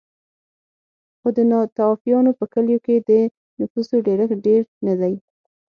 خو په ناتوفیانو په کلیو کې د نفوسو ډېرښت ډېر نه دی